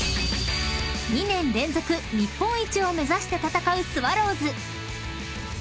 ［２年連続日本一を目指して戦うスワローズ］